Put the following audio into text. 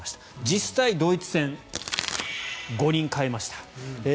実際、ドイツ戦５人代えました。